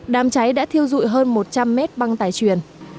đám cháy đã thiêu dụi hơn một trăm linh m băng tải chuyển